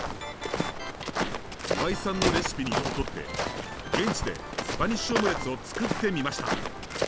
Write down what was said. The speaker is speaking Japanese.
岩井さんのレシピにのっとって現地でスパニッシュオムレツを作ってみました。